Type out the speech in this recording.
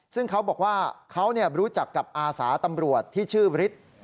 ซึ่งเขาบอกว่าเขารู้จักกับอาสาตำรวจที่ชื่อฤทธิ์